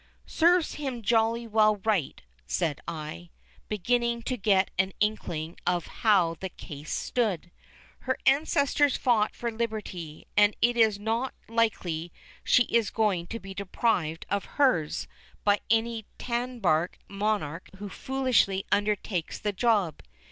"Serves him jolly well right," said I, beginning to get an inkling of how the case stood. "Her ancestors fought for liberty, and it is not likely she is going to be deprived of hers by any tan bark monarch who foolishly undertakes the job.